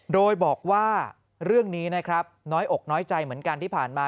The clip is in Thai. โดยบอกว่าเรื่องนี้น้อยอกใจเหมือนกันที่ผ่านมา